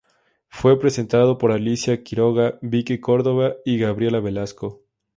Fue presentado por Alicia Quiroga, Vicky Córdova y Gabriela Velasco.